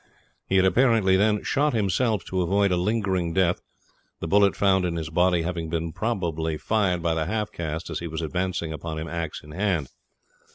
He had apparently then shot himself to avoid a lingering death, the bullet found in his body having been probably fired by the half caste as he was advancing upon him axe in hand.